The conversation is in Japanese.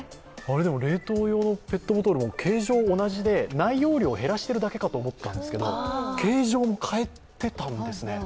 冷凍用のペットボトルは形状が同じで内容量だけ変えてると思ったんですが形状も変えていたんですね。